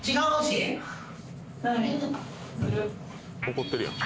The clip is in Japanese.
怒ってるやん。